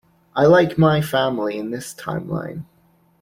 I like my family in this timeline.